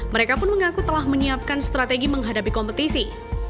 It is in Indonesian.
mereka pun mengaku telah menyiapkan strategi menghadapi kompetisi